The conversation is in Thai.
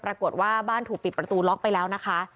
ปรากฏว่าบ้านถูกปิดประตูล็อกไปแล้วนะคะ